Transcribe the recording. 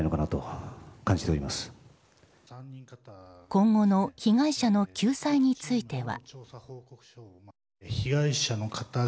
今後の被害者の救済については。